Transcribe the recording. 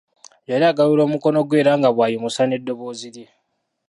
Yali agalula omukono gwe era nga bw'ayimusa n'eddoboozi lye.